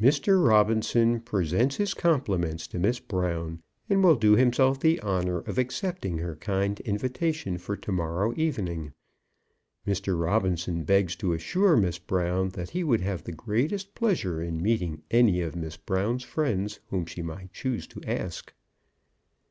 Mr. Robinson presents his compliments to Miss Brown, and will do himself the honour of accepting her kind invitation for to morrow evening. Mr. Robinson begs to assure Miss Brown that he would have great pleasure in meeting any of Miss Brown's friends whom she might choose to ask.